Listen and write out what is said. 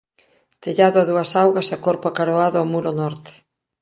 Tellado a dúas augas e corpo acaroado ao muro norte.